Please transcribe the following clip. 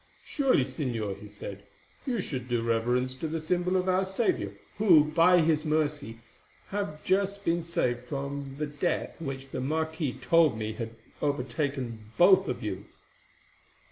"Surely, Señor," he said, "you should do reverence to the symbol of our Saviour, who, by His mercy, have just been saved from the death which the marquis told me had overtaken both of you."